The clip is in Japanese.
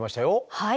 はい。